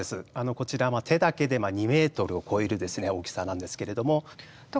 こちらも手だけで２メートルを超える大きさなんですけれども。